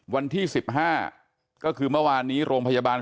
วันที่๑๕ก็คือเมื่อวานนี้โรงพยาบาล